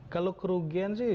kalau kerugian sih